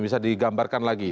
bisa digambarkan lagi